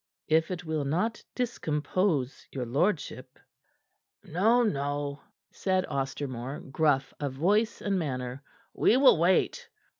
"If it will not discompose your lordship " "No, no," said Ostermore, gruff of voice and manner. "We will wait.